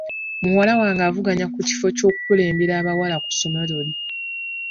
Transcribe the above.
Muwala wange avuganya ku kifo ky'oku kulembera abawala ku ssomero lye.